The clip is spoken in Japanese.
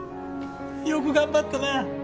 よく頑張ったな！